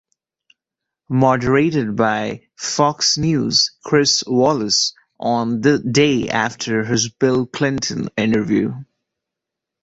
Moderated by Fox News' Chris Wallace on the day after his Bill Clinton interview.